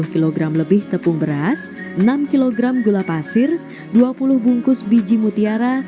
sepuluh kilogram lebih tepung beras enam kilogram gula pasir dua puluh bungkus biji mutiara